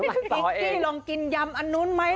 พิงกี้ลองกินยำอันนู้นไหม